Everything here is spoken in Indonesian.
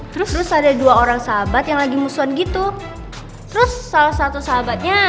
terus terus ada dua orang sahabat yang lagi musuhan gitu terus salah satu sahabatnya